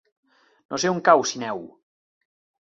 No sé on cau Sineu.